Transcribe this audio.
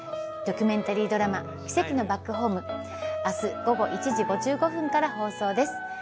ドキュメンタリードラマ「奇跡のバックホーム」、あす午後１時５５分から放送です。